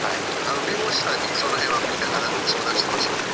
弁護士さんに、そのへんはみんな相談してますんで。